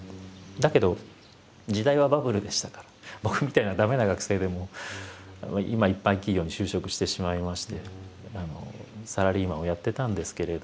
だけど時代はバブルでしたから僕みたいな駄目な学生でも一般企業に就職してしまいましてサラリーマンをやってたんですけれど。